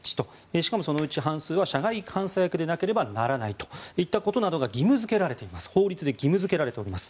しかもそのうち半数は社外監査役でなければならないといったことが法律で義務付けられています。